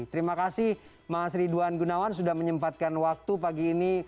terima kasih mas ridwan gunawan sudah menyempatkan waktu pagi ini